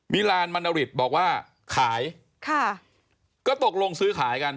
มีลานมันนาริตบอกว่าขายค่ะก็ตกลงซื้อขายกัน